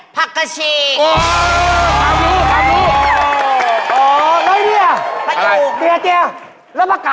ผักกะเชก